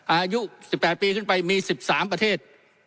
อายุ๑๘ปีขึ้นไปมี๑๓ประเทศ